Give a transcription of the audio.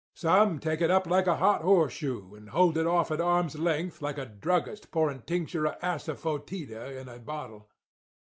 Some take it up like a hot horseshoe, and hold it off at arm's length like a druggist pouring tincture of asafœtida in a bottle.